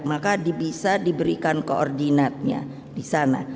maka bisa diberikan koordinatnya di sana